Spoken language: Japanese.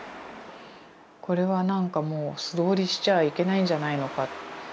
これはなんかもう素通りしちゃいけないんじゃないのか。